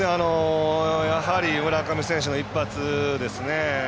やはり、村上選手の一発ですね。